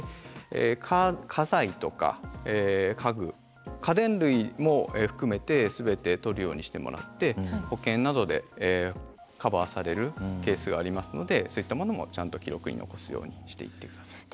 家財とか家具家電類も含めて全て撮るようにしてもらって保険などでカバーされるケースがありますのでそういったものもちゃんと記録に残すようにしていって下さい。